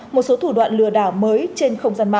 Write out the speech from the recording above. một số thủ đoạn lừa đảo mới trên không gian mạng